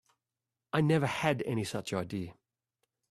I never had any such idea.